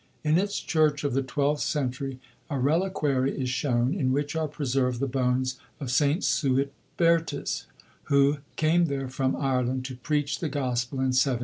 In its Church of the twelfth century a reliquary is shown, in which are preserved the bones of St. Suitbertus, who came there from Ireland to preach the Gospel in 710.